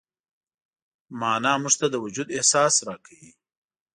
معنی موږ ته د وجود احساس راکوي.